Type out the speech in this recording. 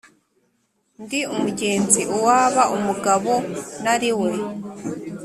ndi umugenzi Uwaba umugabo nari we